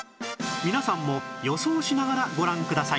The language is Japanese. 皆さんも予想しながらご覧ください